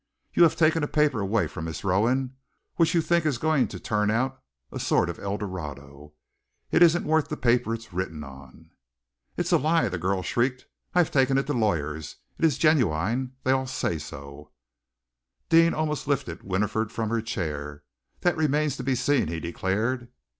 You have taken a paper away from Miss Rowan which you seem to think is going to turn out a sort of El Dorado. It isn't worth the paper it's written on." "It's a lie!" the girl shrieked. "I've taken it to the lawyers. It is genuine they all say so." Deane almost lifted Winifred from her chair. "That remains to be seen," he declared.